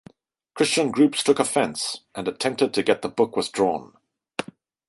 Christian groups took offence, and attempted to get the book withdrawn.